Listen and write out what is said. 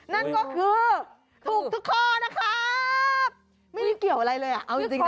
นั่นก็คือถูกทุกข้อนะครับไม่ได้เกี่ยวอะไรเลยอ่ะเอาจริงนะ